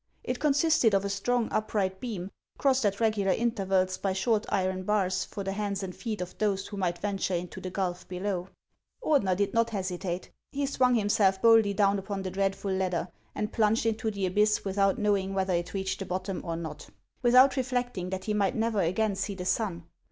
It consisted of a strong upright beam, crossed at regular intervals by short iron bars for the hands and feet of those who might venture into the gulf below. Ordener did not hesitate. He swung himself boldly down upon the dreadful ladder, and plunged into the abyss without knowing whether it reached the bottom or not, — without reflecting that he mk'ht never again see o o o the sun.